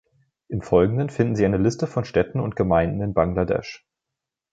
Im Folgenden finden Sie eine Liste von Städten und Gemeinden in Bangladesch.